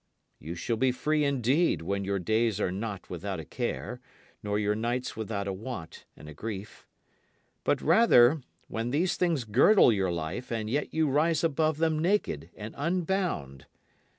You shall be free indeed when your days are not without a care nor your nights without a want and a grief, But rather when these things girdle your life and yet you rise above them naked and unbound.